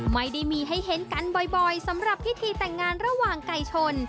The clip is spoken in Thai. ไม่ได้มีให้เห็นกันบ่อยสำหรับพิธีแต่งงานระหว่างไก่ชน